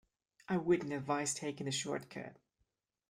I wouldn't advise taking the shortcut